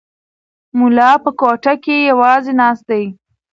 ملا په کوټه کې یوازې ناست دی.